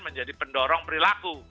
menjadi pendorong perilaku